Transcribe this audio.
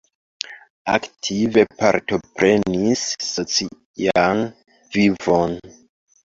Aktive partoprenis socian vivon.